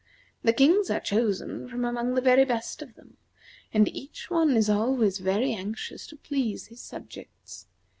The kings are chosen from among the very best of them, and each one is always very anxious to please his subjects.